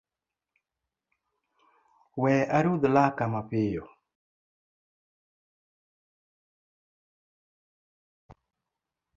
We arudh laka mapiyo